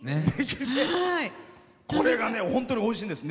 これが本当に、おいしいんです。